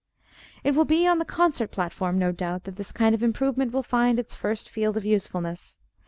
It will be on the concert platform, no doubt, that this kind of improvement will find its first field of usefulness.